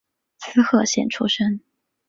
滋贺县出身。